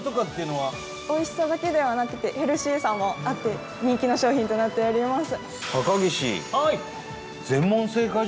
宮道さん：おいしさだけではなくてヘルシーさもあって人気の商品となっております。